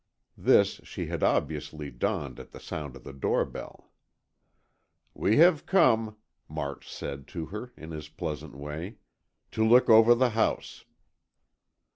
This she had obviously donned at the sound of the doorbell. "We have come," March said to her, in his pleasant way, "to look over the house."